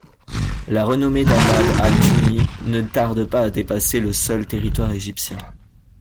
La renommée d’Ahmad al-Tûni ne tarde pas à dépasser le seul territoire égyptien.